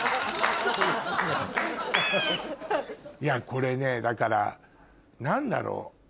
これねだから何だろう？